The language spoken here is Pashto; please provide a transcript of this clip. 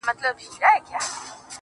شاهد د ډوبې خاموشۍ شور ته مسکے ولاړ دے